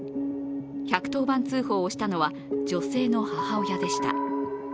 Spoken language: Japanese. １１０番通報をしたのは女性の母親でした。